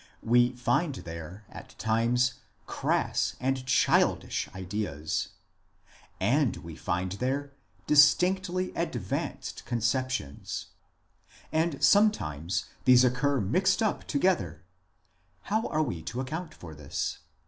We find there at times crass and childish ideas, and we find there distinctly advanced conceptions ; and sometimes these occur mixed up to gether. How are we to account for this